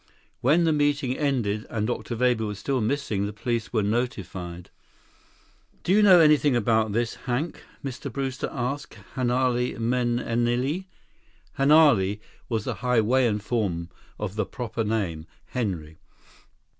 When the meeting ended, and Dr. Weber was still missing, the police were notified. "Do you know anything about this, Hank?" Mr. Brewster asked Hanale Mahenili. "Hanale" was the Hawaiian form of the proper name, "Henry."